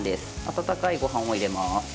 温かいごはんを入れます。